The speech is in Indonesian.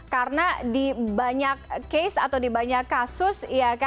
karena di banyak case atau di banyak kasus